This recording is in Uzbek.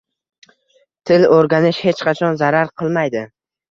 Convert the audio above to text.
Til o'rganish hech qachon zarar qilmaydi